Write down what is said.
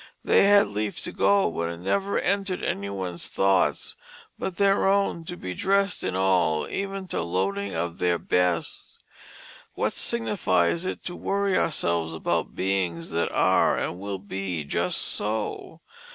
They had leave to go, but it never entered anyone's tho'ts but their own to be dressed in all (even to loading) of their best. What signifies it to worry ourselves about beings that are and will be just so?